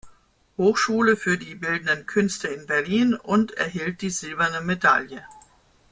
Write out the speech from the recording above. Hochschule für die Bildenden Künste in Berlin und erhielt die silberne Medaille.